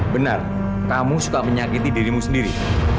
benar kamu suka menyakiti dirimu sendiri